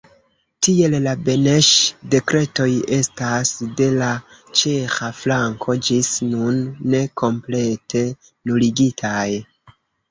Tiel, la Beneŝ-dekretoj estas de la ĉeĥa flanko ĝis nun ne komplete nuligitaj.